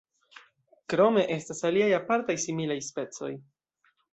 Krome estas aliaj apartaj similaj specoj.